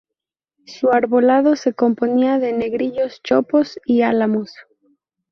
Su arbolado se componía de negrillos, chopos y álamos.